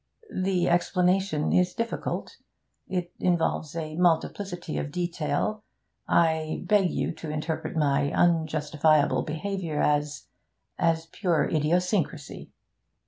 the explanation is difficult; it involves a multiplicity of detail. I beg you to interpret my unjustifiable behaviour as as pure idiosyncrasy.'